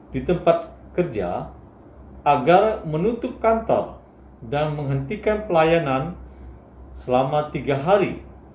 di tempat kerja agar menutup kantor dan menghentikan pelayanan selama tiga hari